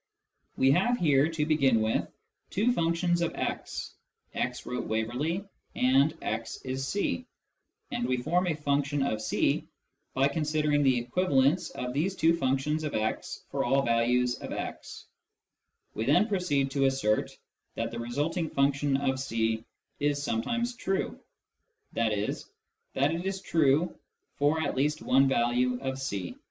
We have here, to begin with, two functions of x, " x wrote Waverley " and " x is c," and we form a function of c by considering the equivalence of these two functions of x for all values of x ; we then proceed to assert that the resulting function of c is " sometimes true," i.e. that it is true for at least one value of c.